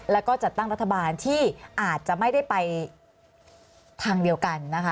แล้วก็จัดตั้งรัฐบาลที่อาจจะไม่ได้ไปทางเดียวกันนะคะ